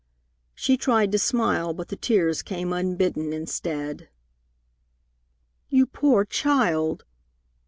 She tried to smile, but the tears came unbidden instead. "You poor child!"